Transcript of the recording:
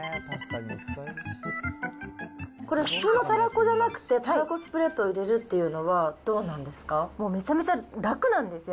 これ、普通のたらこじゃなくてたらこスプレッドを入れるっていうのは、もうめちゃめちゃ楽なんですよ。